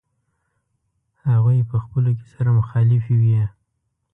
هغوی په خپلو کې سره مخالفې وې.